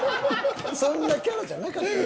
そんなキャラじゃなかったよ。